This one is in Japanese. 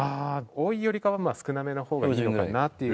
多いよりかはまあ少なめの方がいいのかなっていう。